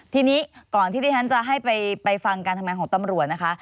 ทีนี้ก่อนที่ที่ฉันจะให้ไปฟังการทำงานของตำรวจนะคะ